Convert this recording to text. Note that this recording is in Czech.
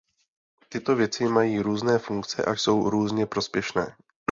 Tyto věci mají různé funkce a jsou různě prospěšné.